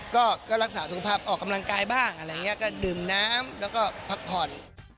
ก็รักษาสุขภาพออกกำลังกายบ้างอะไรอย่างนี้ก็ดื่มน้ำแล้วก็พักผ่อน